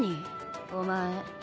お前。